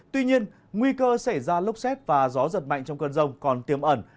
tuy nhiên nguy cơ xảy ra lốc xét và gió giật mạnh trong cơn rông còn tiềm ẩn